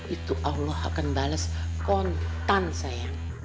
itu allah akan bales kontan saya